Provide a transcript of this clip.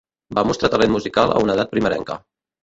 Va mostrar talent musical a una edat primerenca.